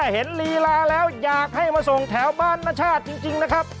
ลีลาแล้วอยากให้มาส่งแถวบ้านนชาติจริงนะครับ